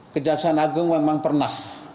kejaksaan agung memang pernah